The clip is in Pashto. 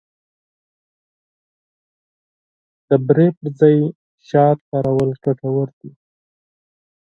د بوري پر ځای شات کارول ګټور دي.